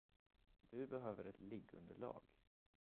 Du behöver ett liggunderlag.